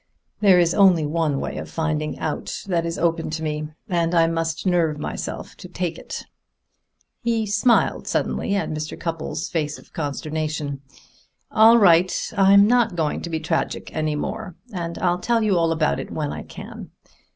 There is only one way of finding out that is open to me, and I must nerve myself to take it." He smiled suddenly at Mr. Cupples' face of consternation. "All right I'm not going to be tragic any more, and I'll tell you all about it when I can.